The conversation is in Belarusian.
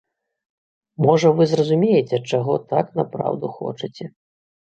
Можа, вы зразумееце, чаго так напраўду хочаце.